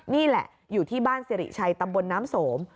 นี่แหละอยู่ที่บ้านสิริชัยตำบลน้ำสม